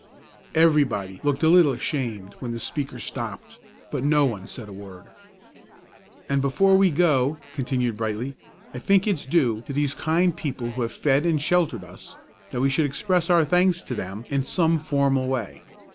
Everybody looked a little ashamed when the speaker stopped, but no one said a word. "And before we go," continued Brightly, "I think it's due to these kind people who have fed and sheltered us, that we should express our thanks to them in some formal way.